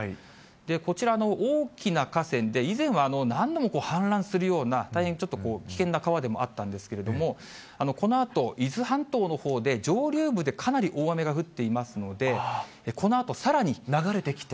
こちらの大きな河川で、以前は何度も氾濫するような、大変ちょっと危険な川でもあったんですけれども、このあと、伊豆半島のほうで、上流部でかなり大雨が降っていますので、流れてきて。